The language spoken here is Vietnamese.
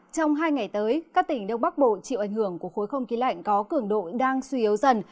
trong hai ngày tới các tỉnh đông bắc bộ chịu ảnh hưởng của khối không khí lạnh có cường độ đang suy yếu dần